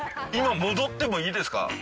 今戻ってもいいですか？